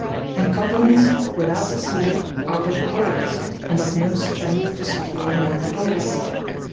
And Covenants, without the Sword, are but Words, and of no strength to secure a man at all.